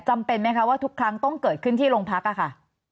จำเป็นไหมคะว่าทุกครั้งต้องเกิดขึ้นที่โรงพักค่ะ